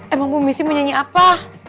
emang bu messi mau nyanyi apa